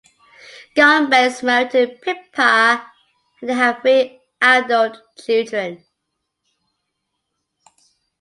Gumbel is married to Pippa and they have three adult children.